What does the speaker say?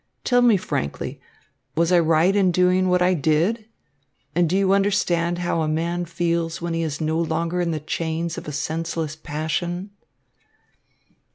Tell me frankly, was I right in doing what I did, and do you understand how a man feels when he is no longer in the chains of a senseless passion?"